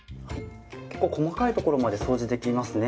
結構細かい所まで掃除できますね。